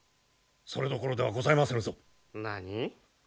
それどころではございませぬぞ。